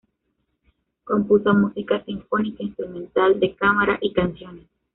Compuso música sinfónica, instrumental, de cámara y canciones.